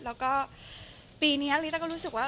แล้วก็ปีนี้ลิต้าก็รู้สึกว่า